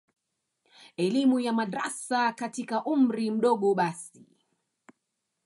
elimu ya madrasa katika umri mdogo basi